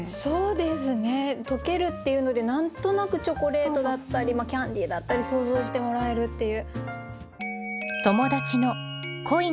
「とける」っていうので何となくチョコレートだったりキャンディーだったり想像してもらえるっていう。